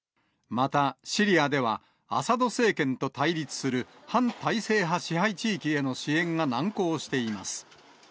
また、シリアではアサド政権と対立する反体制派支配地域への支援が難航しています。